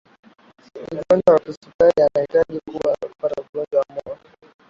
mgonjwa wa kisukari ana hatari kubwa ya kupata ugonjwa wa moyo